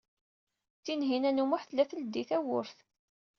Tinhinan u Muḥ tella tleddey tawwurt.